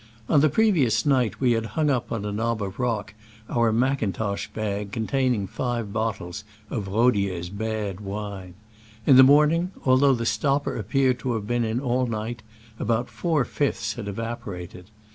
On the previous night we had hung up on a knob of rock our mackintosh bag containing five bottles of Rodier's bad wine. In the morning, although the stopper appeared to have been in all night, about four fifths had evaporated.